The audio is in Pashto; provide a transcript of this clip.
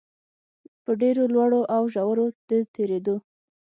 په ډېرو لوړو او ژورو د تېرېدو